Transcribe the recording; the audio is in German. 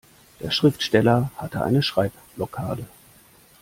Der Schriftsteller hatte eine Schreibblockade.